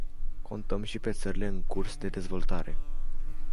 Contăm și pe țările în curs de dezvoltare.